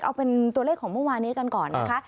เอาเป็นตัวเลขของเมื่อวานนี้กันก่อนนะคะ